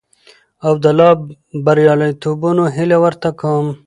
او د لا برياليتوبونو هيله ورته کوم.